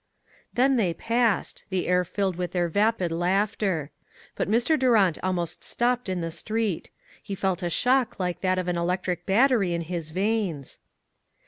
Then they passed, the air filled with their vapid" laughter. But Mr. Durant almost stopped in the street. He felt a shock like that from an electric battery in his veins.